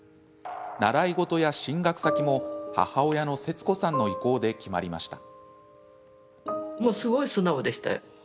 習い事や進学先も母親の節子さんの意向で決まりました。